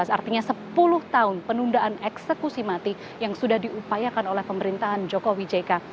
artinya sepuluh tahun penundaan eksekusi mati yang sudah diupayakan oleh pemerintahan jokowi jk